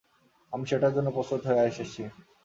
আমি সেটার জন্য প্রস্তুত হয়ে এসেছি।